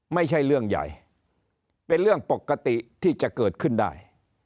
ไม่ใช่เรื่องใหญ่เป็นเรื่องปกติที่จะเกิดขึ้นได้